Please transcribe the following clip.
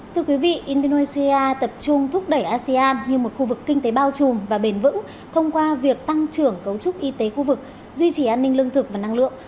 thưa quý vị indonesia tập trung thúc đẩy asean như một khu vực kinh tế bao trùm và bền vững thông qua việc tăng trưởng cấu trúc y tế khu vực duy trì an ninh lương thực và năng lượng